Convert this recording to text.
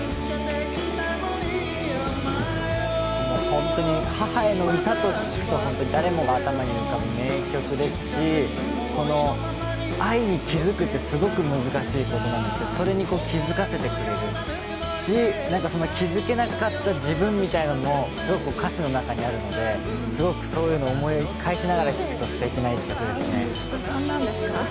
本当に母への歌と聞くと誰もが頭に浮かぶ名曲ですし、愛に気づくってすごく難しいことなんですけど、それに気づかせてくれるし、その気づけなかった自分みたいなものも、すごく歌詞の中にあるのですごくそういうのを思い返しながら聴くとすてきな１曲ですね。